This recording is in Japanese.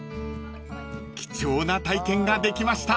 ［貴重な体験ができました］